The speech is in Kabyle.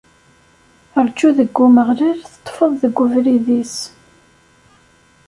Rǧu deg Umeɣlal teṭṭfeḍ deg ubrid-is.